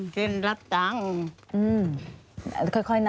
เช่นรับตังค์